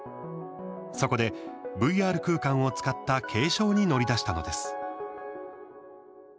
そこで、ＶＲ空間を使った継承に乗り出したのです。